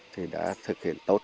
thì đã thực hiện tốt